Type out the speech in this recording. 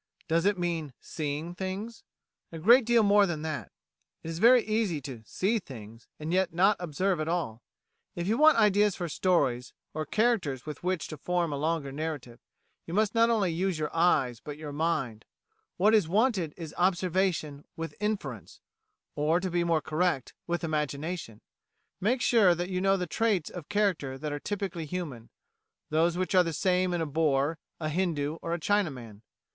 Does it mean "seeing things"? A great deal more than that. It is very easy to "see things" and yet not observe at all. If you want ideas for stories, or characters with which to form a longer narrative, you must not only use your eyes but your mind. What is wanted is observation with inference; or, to be more correct, with imagination. Make sure that you know the traits of character that are typically human; those which are the same in a Boer, a Hindu, or a Chinaman.